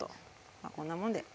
まあこんなもんで。